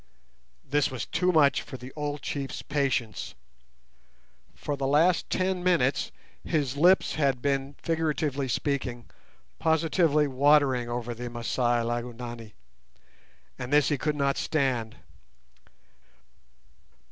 This was too much for the old chief's patience. For the last ten minutes his lips had been, figuratively speaking, positively watering over the Masai Lygonani, and this he could not stand.